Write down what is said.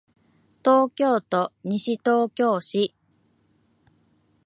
東京都西東京市